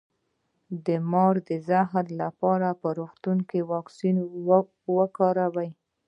د مار د زهر لپاره د روغتون واکسین وکاروئ